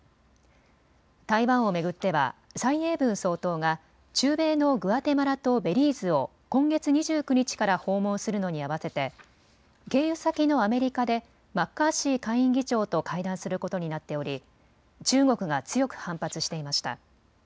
台湾を巡っては蔡英文総統が中米のグアテマラとベリーズを今月２９日から訪問するのに合わせて経由先のアメリカでマッカーシー下院議長と会談することになっており中国が強く反発していました。